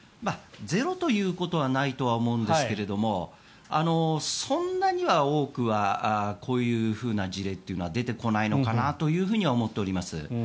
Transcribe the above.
ゼロということはないとは思うんですがそんなには多くはこういうふうな事例というのは出てこないのかなと思っております。